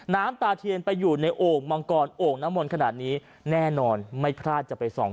น้ำตาเทียนไปอยู่ในโอ่งมังกรโอ่งน้ำมนต์ขนาดนี้แน่นอนไม่พลาดจะไปส่อง